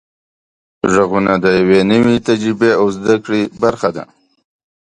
غږونه د یوې نوې تجربې او زده کړې برخه ده.